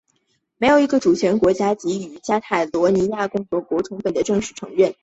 没有一个主权国家给予加泰罗尼亚共和国充分的正式承认。